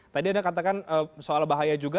tadi anda katakan soal bahaya juga